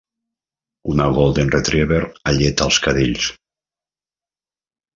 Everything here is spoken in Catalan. Una golden retriever alleta els cadells.